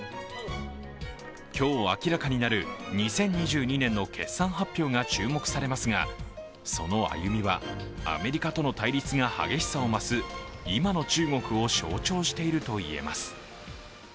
今日、明らかになる２０２２年の決算発表が注目されますがその歩みは、アメリカとの対立が激しさを増す今の中国を象徴しているといえます。